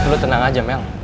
lo tenang aja mel